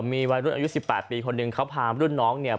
มีวัยรุ่นอายุ๑๘ปีคนหนึ่งเขาพารุ่นน้องเนี่ย